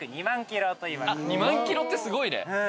２万ｋｍってすごいね。